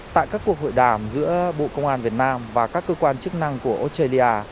tại các cuộc hội đàm giữa bộ công an việt nam và các cơ quan chức năng của australia